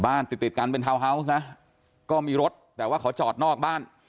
ติดติดกันเป็นทาวน์ฮาวส์นะก็มีรถแต่ว่าเขาจอดนอกบ้าน